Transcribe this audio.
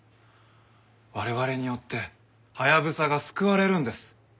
我々によってハヤブサが救われるんです。